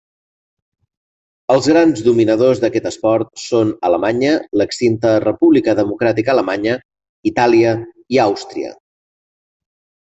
Els grans dominadors d'aquest esport són Alemanya, l'extinta República Democràtica Alemanya, Itàlia i Àustria.